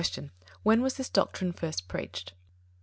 _When was this doctrine first preached?